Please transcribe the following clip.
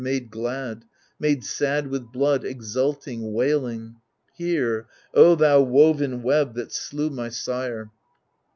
Made glad, made sad with blood, exulting, wailing Hear, O thou woven web that slew my sire